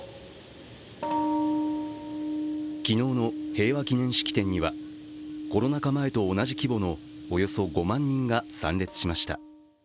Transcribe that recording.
昨日の平和記念式典にはコロナ禍前と同じ規模のおよそ５万人が参列しました。